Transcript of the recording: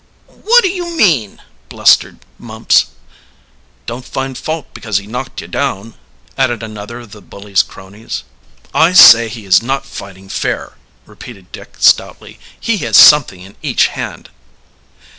"What do you mean?" blustered Mumps. "Don't find fault because he knocked you down," added another of the bully's cronies. "I say he is not fighting fair," repeated Dick stoutly. "He has something in each hand."